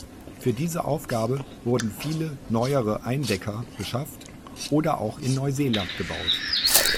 Für diese Aufgabe wurden viele, neuere Eindecker beschafft oder auch in Neuseeland gebaut.